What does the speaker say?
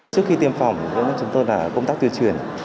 trước khi tiêm phòng chúng tôi đã công tác tuyên truyền